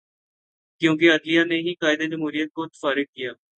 کیونکہ عدلیہ نے ہی قائد جمہوریت کو فارغ کیا۔